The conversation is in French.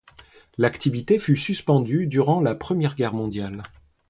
L'activité fut suspendue durant la Première Guerre mondiale.